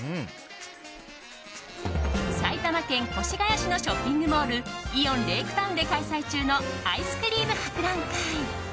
埼玉県越谷市のショッピングモールイオンレイクタウンで開催中のアイスクリーム博覧会。